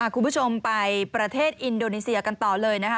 คุณผู้ชมไปประเทศอินโดนีเซียกันต่อเลยนะคะ